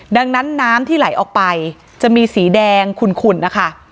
ดังนั้นน้ำที่ไหลออกไปจะมีสีแดงขุ่นนะคะ